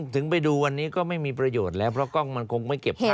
ถึงไปดูวันนี้ก็ไม่มีประโยชน์แล้วเพราะกล้องมันคงไม่เก็บค่า